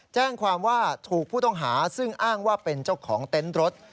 แจ้งความว่าถูกผู้ต้องหาซึ่งอ้างว่าเป็นเจ้าของเต็นต์รถ